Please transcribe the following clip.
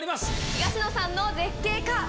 東野さんの絶景か？